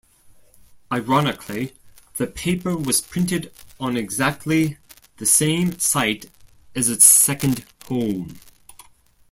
Ironically, the paper was printed on exactly the same site as its second home.